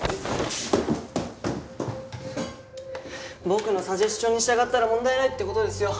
僕のサジェスチョンに従ったら問題ないって事ですよ。